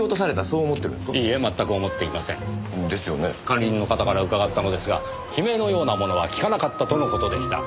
管理人の方から伺ったのですが悲鳴のようなものは聞かなかったとの事でした。